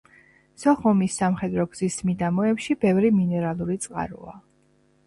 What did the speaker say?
სოხუმის სამხედრო გზის მიდამოებში ბევრი მინერალური წყაროა.